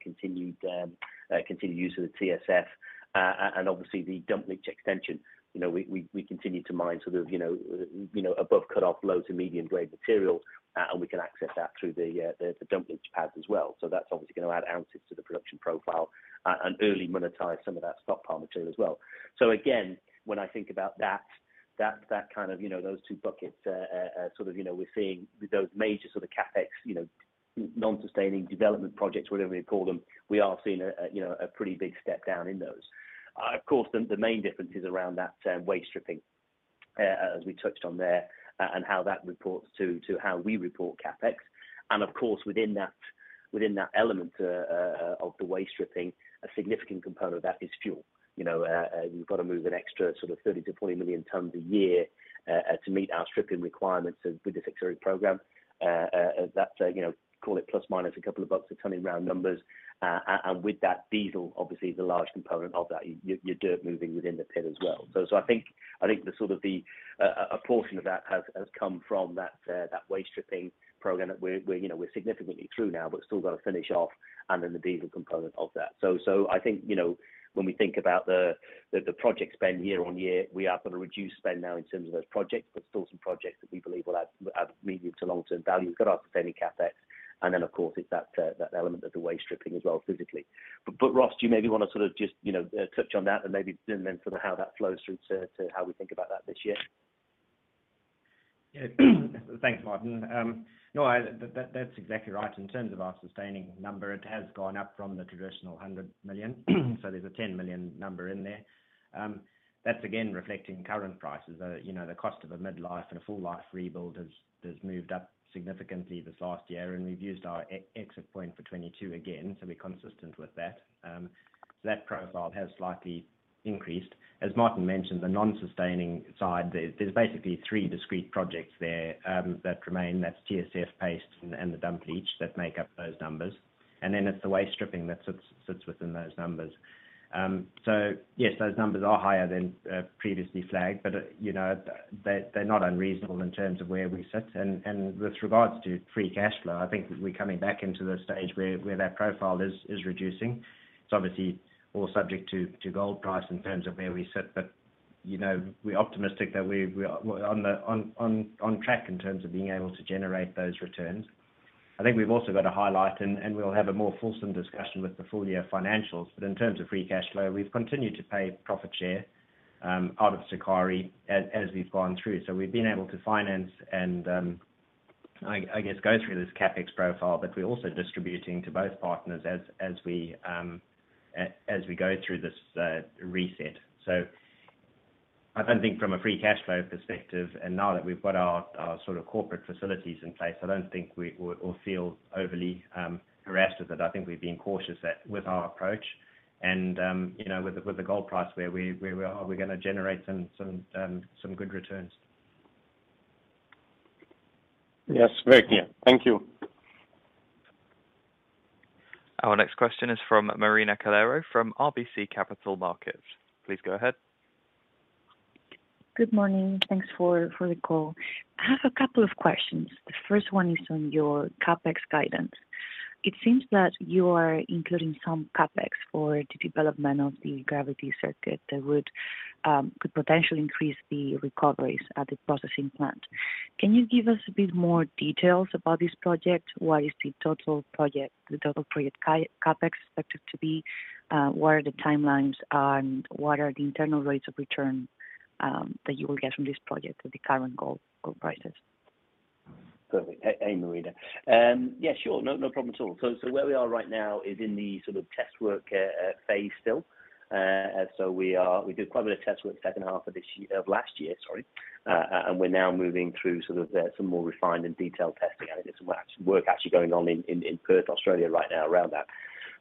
S2: continued use of the TSF, and obviously the dump leach extension. You know, we continue to mine sort of, you know, above cut-off low to medium grade material, and we can access that through the dump leach pads as well. That's obviously gonna add ounces to the production profile and early monetize some of that stockpile material as well. Again, when I think about that kind of, you know, those two buckets, sort of, you know, we're seeing those major sort of CapEx, you know, non-sustaining development projects, whatever you call them, we are seeing a, you know, a pretty big step down in those. Of course, the main difference is around that waste stripping, as we touched on there, and how that reports to how we report CapEx. Of course, within that element of the waste stripping, a significant component of that is fuel. You know, you've got to move an extra sort of 30-40 million tons a year to meet our stripping requirements with this exterior program. That's a, you know, call it plus minus a couple of bucks a ton in round numbers. With that diesel, obviously the large component of that, your dirt moving within the pit as well. I think the sort of the a portion of that has come from that waste stripping program that we're, you know, significantly through now but still gotta finish off and then the diesel component of that. I think, you know, when we think about the project spend year-on-year, we have got a reduced spend now in terms of those projects, but still some projects that we believe will add medium to long term value. Got our sustaining CapEx and then of course it's that element of the waste stripping as well physically. Ross, do you maybe wanna sort of just, you know, touch on that and maybe then sort of how that flows through to how we think about that this year?
S4: Yeah. Thanks, Martin. No, that's exactly right. In terms of our sustaining number, it has gone up from the traditional $100 million, so there's a $10 million number in there. That's again reflecting current prices. You know, the cost of a mid-life and a full life rebuild has moved up significantly this last year, and we've used our exit point for 2022 again, so we're consistent with that. That profile has slightly increased. As Martin mentioned, the non-sustaining side there's basically 3 discrete projects there, that remain. That's TSF paste and the dump leach that make up those numbers. Then it's the waste stripping that sits within those numbers. Yes, those numbers are higher than previously flagged, but, you know, they're not unreasonable in terms of where we sit. With regards to free cash flow, I think we're coming back into the stage where that profile is reducing. It's obviously all subject to gold price in terms of where we sit. You know, we're optimistic that we are on track in terms of being able to generate those returns. I think we've also got to highlight and we'll have a more fulsome discussion with the full year financials, but in terms of free cash flow, we've continued to pay profit share out of Sukari as we've gone through. We've been able to finance and I guess go through this CapEx profile, but we're also distributing to both partners as we go through this reset. I don't think from a free cash flow perspective, and now that we've got our sort of corporate facilities in place, I don't think we or feel overly harassed with it. I think we're being cautious with our approach and, you know, with the gold price where we are, we're gonna generate some good returns.
S10: Yes. Very clear. Thank you.
S1: Our next question is from Marina Calero, from RBC Capital Markets. Please go ahead.
S7: Good morning. Thanks for the call. I have a couple of questions. The first one is on your CapEx guidance. It seems that you are including some CapEx for the development of the gravity circuit that would could potentially increase the recoveries at the processing plant. Can you give us a bit more details about this project? What is the total project CapEx expected to be? What are the timelines and what are the internal rates of return that you will get from this project at the current gold prices?
S2: Perfect. Hey, Marina. yeah, sure. No problem at all. Where we are right now is in the sort of test work phase still. We are, we did quite a bit of test work second half of this year... Of last year, sorry. We're now moving through sort of some more refined and detailed testing. I think there's some actually going on in Perth, Australia right now around that.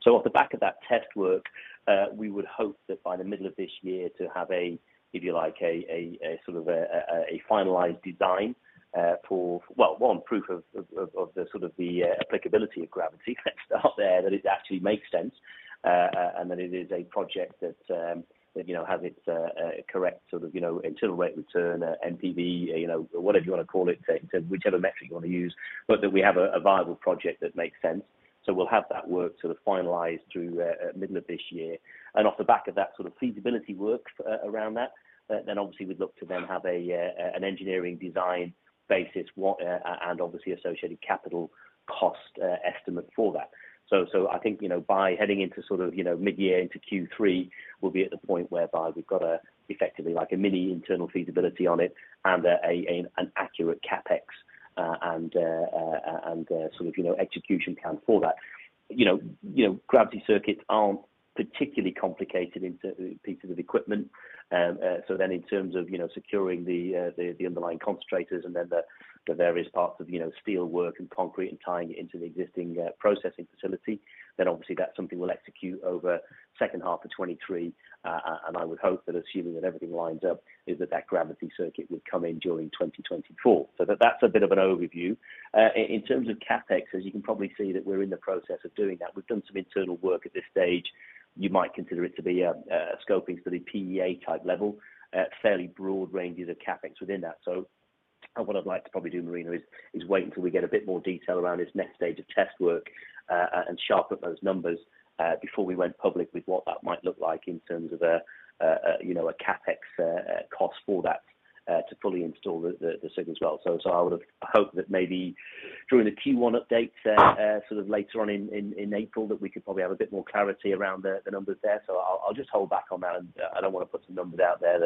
S2: Off the back of that test work, we would hope that by the middle of this year to have a, if you like, a sort of a finalized design for, well, one proof of the sort of the applicability of gravity next up there that it actually makes sense and that it is a project that, you know, has its correct sort of, you know, internal rate return, NPV, you know, whatever you wanna call it, to whichever metric you wanna use, but that we have a viable project that makes sense. We'll have that work sort of finalized through middle of this year. Off the back of that sort of feasibility work around that, then obviously we'd look to then have an engineering design basis, what, and obviously associated capital cost estimate for that. I think, you know, by heading into sort of, you know, mid-year into Q3, we'll be at the point whereby we've got effectively like a mini internal feasibility on it and an accurate CapEx and sort of, you know, execution plan for that. You know, gravity circuits aren't particularly complicated in certain pieces of equipment. In terms of, you know, securing the, the underlying concentrators and then the various parts of, you know, steel work and concrete and tying it into the existing processing facility, then obviously that's something we'll execute over second half of 2023. I would hope that assuming that everything lines up, is that gravity circuit would come in during 2024. That's a bit of an overview. In terms of CapEx, as you can probably see that we're in the process of doing that. We've done some internal work at this stage. You might consider it to be scoping for the PEA type level, fairly broad ranges of CapEx within that. What I'd like to probably do, Marina, is wait until we get a bit more detail around this next stage of test work and sharpen those numbers before we went public with what that might look like in terms of a, you know, a CapEx cost for that to fully install the uncertain as well. I would've hoped that maybe during the Q1 update sort of later on in April that we could probably have a bit more clarity around the numbers there. I'll just hold back on that and I don't wanna put some numbers out there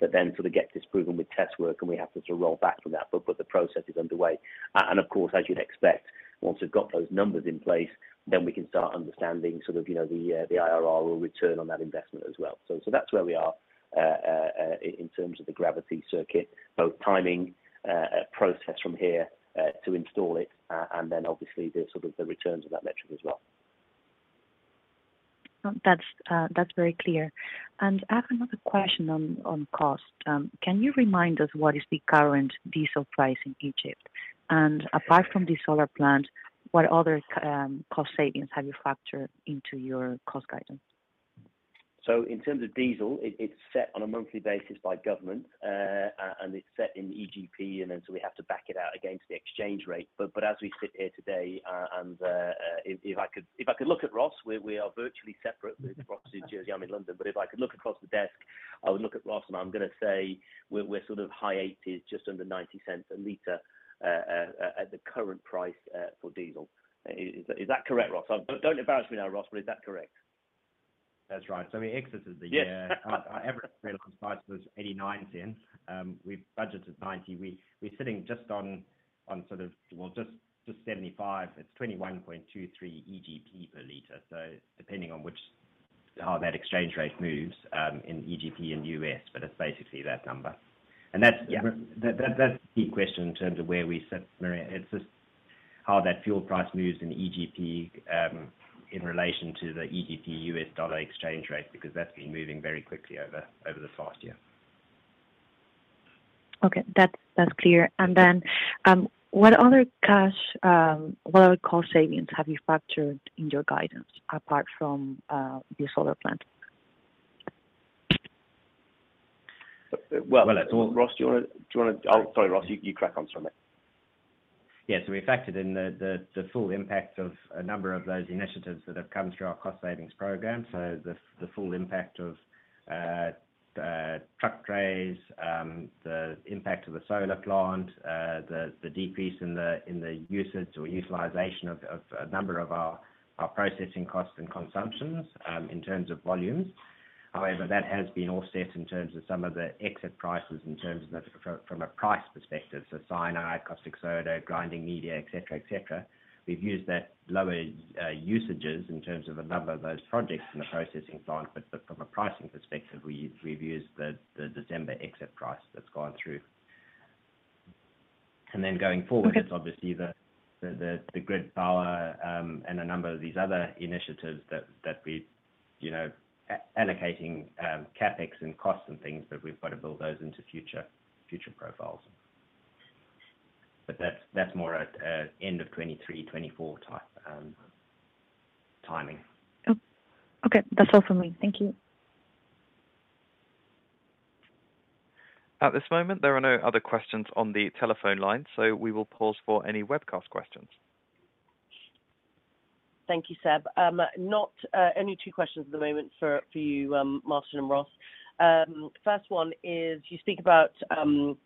S2: that then sort of get disproven with test work and we have to sort of roll back from that. The process is underway. Of course, as you'd expect, once we've got those numbers in place, then we can start understanding sort of, you know, the IRR or return on that investment as well. That's where we are in terms of the gravity circuit, both timing, process from here to install it, and then obviously the sort of the returns of that metric as well.
S7: That's very clear. I have another question on cost. Can you remind us what is the current diesel price in Egypt? Apart from the solar plant, what other cost savings have you factored into your cost guidance?
S2: In terms of diesel, it's set on a monthly basis by government, and it's set in EGP, and then so we have to back it out against the exchange rate. As we sit here today, and if I could look at Ross, we are virtually separate with Ross in Jersey, I'm in London. If I could look across the desk, I would look at Ross and I'm gonna say we're sort of high 80s, just under $0.90 a liter at the current price for diesel. Is that correct, Ross? Don't embarrass me now, Ross, but is that correct?
S4: That's right. I mean, exit is the year.
S2: Yeah.
S4: Our average price was $0.89. We've budgeted $0.90. We're sitting just on. Well, just $0.75. It's 21.23 EGP per liter. Depending on which how that exchange rate moves in EGP and USD, but it's basically that number. That's.
S2: Yeah.
S4: That's the key question in terms of where we sit, Maria. It's just how that fuel price moves in EGP in relation to the EGP-US dollar exchange rate, because that's been moving very quickly over the past year.
S7: Okay. That's clear. Then, what other cost savings have you factored in your guidance apart from the solar plant?
S2: Well, Ross. Oh, sorry, Ross, you crack on, sorry mate.
S4: Yeah. We factored in the full impact of a number of those initiatives that have come through our cost savings program. The full impact of truck trays, the impact of the solar plant, the decrease in the usage or utilization of a number of our processing costs and consumptions in terms of volumes. However, that has been offset in terms of some of the exit prices in terms of from a price perspective, so cyanide, caustic soda, grinding media, et cetera, et cetera. We've used that lower usages in terms of a number of those projects in the processing plant, but from a pricing perspective, we've used the December exit price that's gone through. Going forward, it's obviously the grid power, and a number of these other initiatives that we, you know, allocating, CapEx and costs and things. We've got to build those into future profiles. That's more at end of 2023, 2024 type, timing.
S7: Oh, okay. That's all from me. Thank you.
S1: At this moment, there are no other questions on the telephone line, so we will pause for any webcast questions.
S11: Thank you, Seb. Not only two questions at the moment for you, Martin and Ross. First one is you speak about, you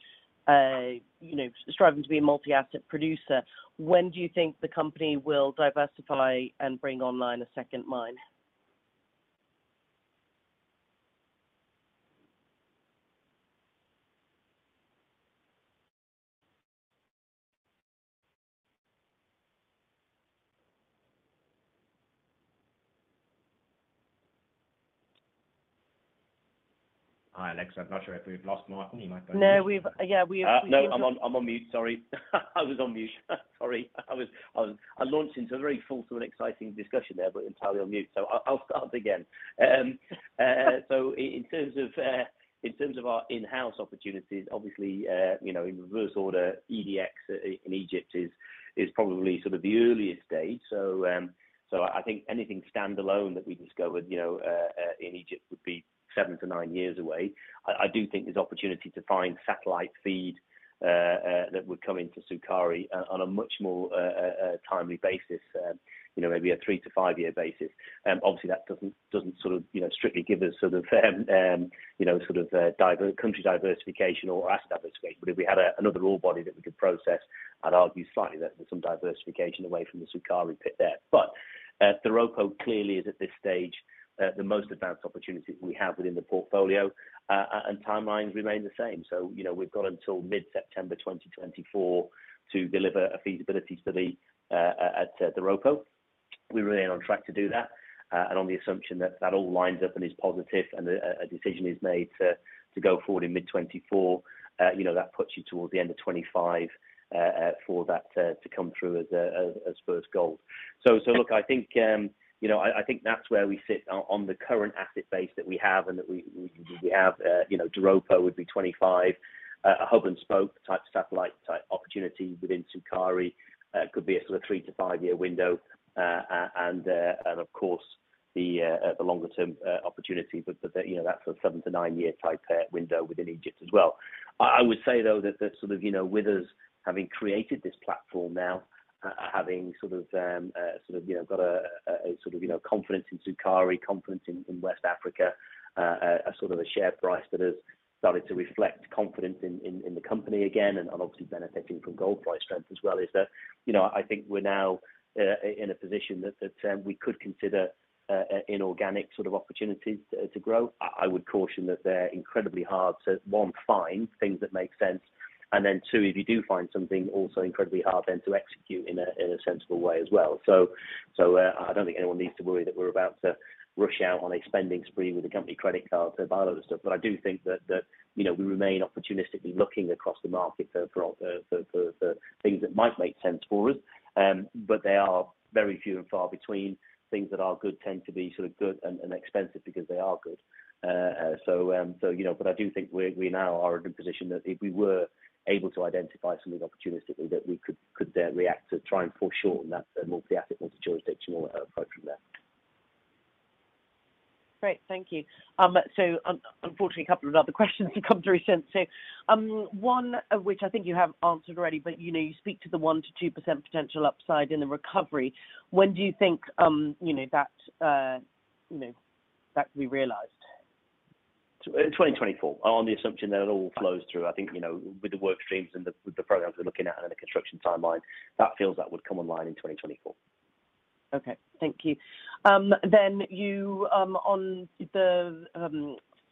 S11: know, striving to be a multi-asset producer. When do you think the company will diversify and bring online a second mine?
S4: Hi, Alexa. I'm not sure if we've lost Martin. He might.
S11: No, we've. Yeah.
S2: No, I'm on mute. Sorry. I was on mute. Sorry. I launched into a very thoughtful and exciting discussion there, but entirely on mute, so I'll start again. In terms of, in terms of our in-house opportunities, obviously, you know, in reverse order, EDX in Egypt is probably sort of the earliest stage. I think anything standalone that we discover, you know, in Egypt would be seven to nine years away. I do think there's opportunity to find satellite feed that would come into Sukari on a much more timely basis, you know, maybe a three-to-five year basis. Obviously, that doesn't sort of, you know, strictly give us sort of, you know, sort of, country diversification or asset diversification. If we had another ore body that we could process, I'd argue slightly that there's some diversification away from the Sukari pit there. Doropo clearly is at this stage, the most advanced opportunity that we have within the portfolio, and timelines remain the same. you know, we've got until mid-September 2024 to deliver a feasibility study at Doropo. We remain on track to do that, and on the assumption that that all lines up and is positive and a decision is made to go forward in mid 2024, you know, that puts you towards the end of 2025 for that to come through as first gold. look, I think, you know, I think that's where we sit on the current asset base that we have and that we have. You know, Doropo would be 25. A hub and spoke type satellite type opportunity within Sukari, could be a sort of 3-5 year window. And of course the longer term opportunity, but that, you know, that's a 7-9 year type window within Egypt as well. I would say though that the sort of, you know, with us having created this platform now, having sort of, you know, got a sort of, you know, confidence in Sukari, confidence in West Africa, a sort of a share price that has started to reflect confidence in the company again and obviously benefiting from gold price strength as well, is that, you know, I think we're now in a position that we could consider inorganic sort of opportunities to grow. I would caution that they're incredibly hard to, one, find things that make sense. Then two, if you do find something also incredibly hard then to execute in a sensible way as well. I don't think anyone needs to worry that we're about to rush out on a spending spree with the company credit card to buy a lot of stuff. I do think that, you know, we remain opportunistically looking across the market for things that might make sense for us. They are very few and far between. Things that are good tend to be sort of good and expensive because they are good. You know, I do think we now are in a good position that if we were able to identify something opportunistically that we could then react to try and foreshorten that multi-asset, multi-jurisdiction approach from there.
S11: Great. Thank you. Unfortunately a couple of other questions have come through since. One of which I think you have answered already, but you know, you speak to the 1%-2% potential upside in the recovery. When do you think, you know that, you know, that will be realized?
S2: In 2024 on the assumption that it all flows through. I think, you know, with the work streams and the, with the programs we're looking at and the construction timeline, that feels that would come online in 2024.
S11: Okay. Thank you. Then you on the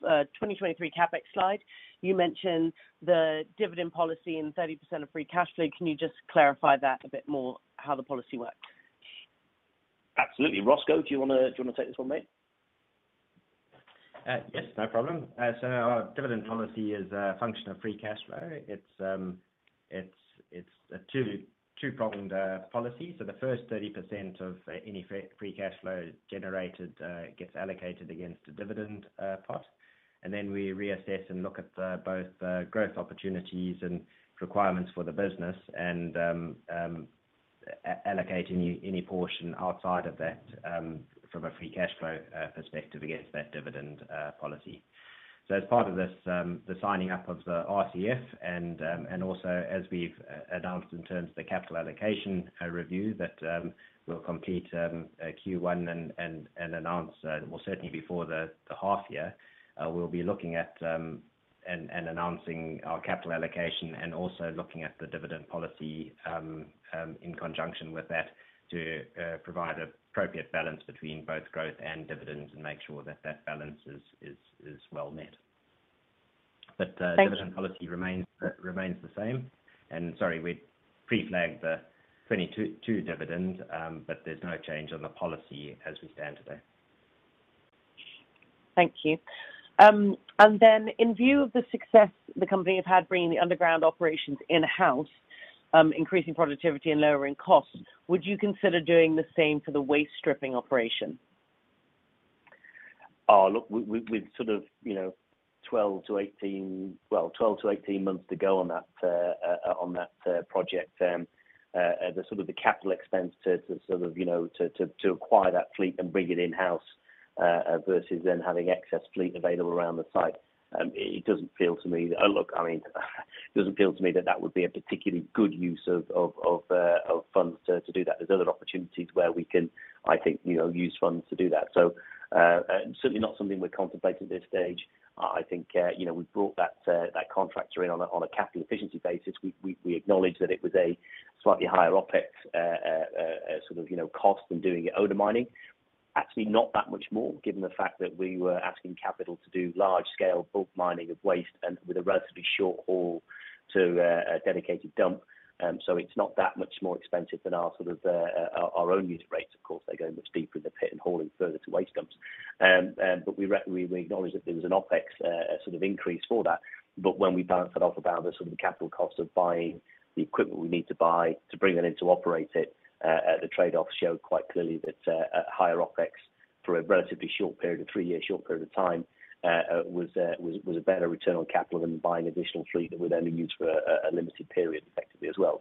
S11: 2023 CapEx slide, you mentioned the dividend policy and 30% of free cash flow. Can you just clarify that a bit more, how the policy works?
S2: Absolutely. Rosco, do you wanna take this one, mate?
S4: Yes, no problem. Our dividend policy is a function of free cash flow. It's, it's a two-pronged policy. The first 30% of any free cash flow generated gets allocated against a dividend pot. Then we reassess and look at both growth opportunities and requirements for the business and allocate any portion outside of that from a free cash flow perspective against that dividend policy. As part of this, the signing up of the RCF and also as we've announced in terms of the capital allocation review that we'll complete Q1 and announce, well, certainly before the half year, we'll be looking at and announcing our capital allocation and also looking at the dividend policy in conjunction with that to provide appropriate balance between both growth and dividends and make sure that that balance is well met.
S11: Thank you.
S4: Dividend policy remains the same. Sorry, we pre-flagged the 2022 dividend, but there's no change on the policy as we stand today.
S11: Thank you. Then in view of the success the company has had bringing the underground operations in-house, increasing productivity and lowering costs, would you consider doing the same for the waste stripping operation?
S2: Oh, look, we've sort of, you know, 12-18 months to go on that project. The sort of the capital expense to sort of, you know, to acquire that fleet and bring it in-house, versus then having excess fleet available around the site. It doesn't feel to me. Look, I mean, it doesn't feel to me that that would be a particularly good use of funds to do that. There's other opportunities where we can, I think, you know, use funds to do that. Certainly not something we're contemplating at this stage. I think, you know, we brought that contractor in on a capital efficiency basis. We acknowledge that it was a slightly higher OpEx sort of, you know, cost than doing it owner mining. Not that much more, given the fact that we were asking Capital to do large scale bulk mining of waste and with a relatively short haul to a dedicated dump. It's not that much more expensive than our sort of our own use rates. Of course, they go much deeper in the pit and hauling further to waste dumps. We acknowledge that there was an OpEx sort of increase for that. When we balance that off about the sort of capital cost of buying the equipment we need to buy to bring that in to operate it, the trade-off show quite clearly that a higher OpEx for a relatively short period of 3 years, short period of time, was a better return on capital than buying additional fleet that would only be used for a limited period effectively as well.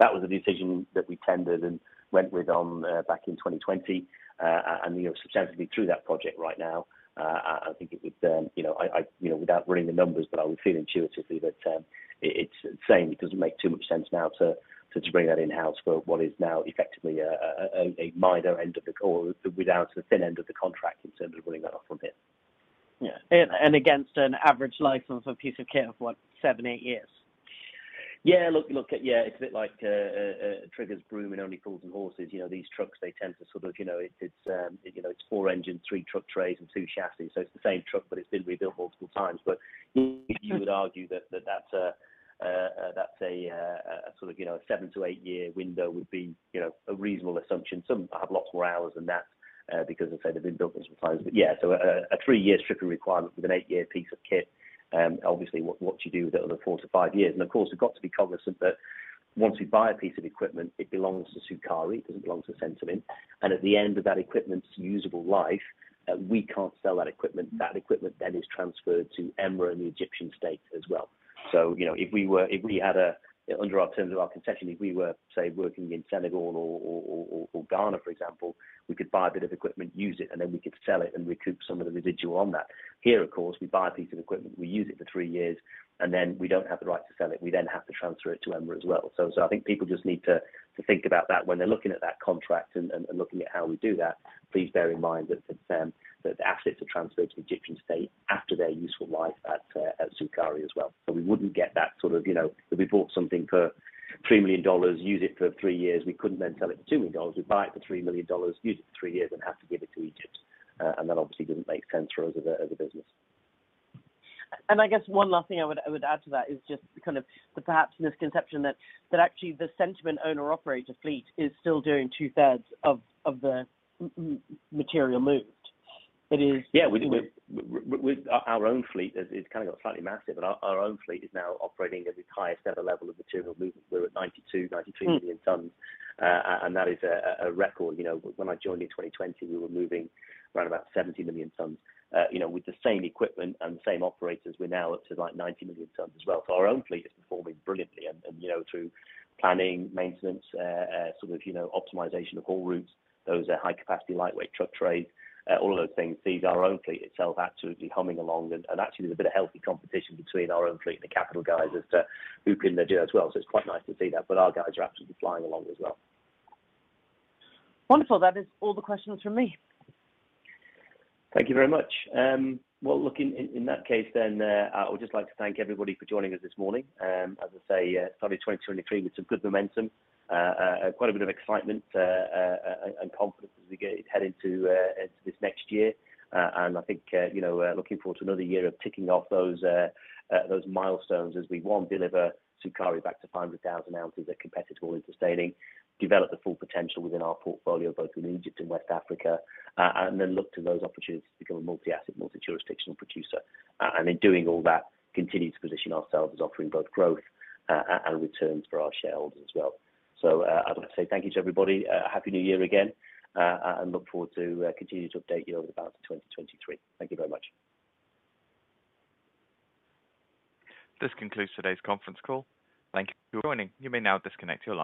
S2: That was a decision that we tended and went with on back in 2020. And you know, substantially through that project right now, I think it would, you know, I, you know, without running the numbers, but I would feel intuitively that it's same. It doesn't make too much sense now to bring that in-house for what is now effectively a minor end of the core without a thin end of the contract in terms of running that off a bit.
S11: Yeah. Against an average license of a piece of kit of what? Seven, eight years.
S2: Yeah. Look, look, yeah, it's a bit like, Trigger's Broom in Only Fools and Horses. You know, these trucks, they tend to sort of, you know, it's, you know, it's 4 engines, 3 truck trays and 2 chassis. It's the same truck, but it's been rebuilt multiple times. You would argue that that that's a sort of, you know, 7-8 year window would be, you know, a reasonable assumption. Some have lots more hours than that, because as I said, they've been built multiple times. Yeah, so a 3-year stripping requirement with an 8-year piece of kit, obviously what you do with the other 4-5 years. Of course, we've got to be cognizant that once we buy a piece of equipment, it belongs to Sukari, it doesn't belong to Centamin. At the end of that equipment's usable life, we can't sell that equipment. That equipment then is transferred to EMRA and the Egyptian state as well. You know, if we had a, under our terms of our concession, if we were, say, working in Senegal or Ghana, for example, we could buy a bit of equipment, use it, and then we could sell it and recoup some of the residual on that. Of course, we buy a piece of equipment, we use it for 3 years, and then we don't have the right to sell it. We then have to transfer it to EMRA as well. I think people just need to think about that when they're looking at that contract and looking at how we do that. Please bear in mind that the assets are transferred to the Egyptian state after their useful life at Sukari as well. We wouldn't get that sort of, you know, that we bought something for $3 million, use it for three years. We couldn't then sell it for $2 million. We'd buy it for $3 million, use it for three years, and have to give it to Egypt. That obviously didn't make sense for us as a business.
S11: I guess one last thing I would add to that is just kind of the perhaps misconception that actually the Centamin owner operator fleet is still doing two-thirds of the material moved.
S2: Yeah. Our own fleet is kinda got slightly massive, but our own fleet is now operating at its highest ever level of material movement. We're at 92 million-93 million tons.
S11: Mm.
S2: That is a record. You know, when I joined in 2020, we were moving around about 70 million tons. You know, with the same equipment and the same operators, we're now up to, like, 90 million tons as well. Our own fleet is performing brilliantly and, you know, through planning, maintenance, sort of, you know, optimization of all routes, those are high capacity, lightweight truck trays, all of those things sees our own fleet itself absolutely humming along. Actually there's a bit of healthy competition between our own fleet and the Capital guys as to who can do it as well. It's quite nice to see that. Our guys are absolutely flying along as well.
S11: Wonderful. That is all the questions from me.
S2: Thank you very much. Well, look, in that case then, I would just like to thank everybody for joining us this morning. As I say, started 2023 with some good momentum, quite a bit of excitement, and confidence as we get headed to this next year. I think, you know, looking forward to another year of ticking off those milestones as we, one, deliver Sukari back to 500,000 ounces at competitive all-in sustaining, develop the full potential within our portfolio, both in Egypt and West Africa, and then look to those opportunities to become a multi-asset, multi-jurisdictional producer. In doing all that, continue to position ourselves as offering both growth, and returns for our shareholders as well. I'd like to say thank you to everybody. Happy New Year again, and look forward to continuing to update you over the balance of 2023. Thank you very much.
S1: This concludes today's conference call. Thank you for joining. You may now disconnect your line.